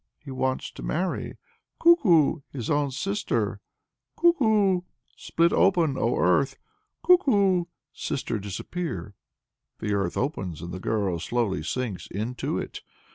He wants to marry, "Kuku! His own sister. "Kuku! Split open, O Earth! "Kuku! Sister, disappear!" The earth opens, and the girl slowly sinks into it.